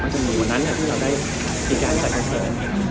ก็จะมีวันนั้นที่เราได้ฟิกการใส่แฟนเซอร์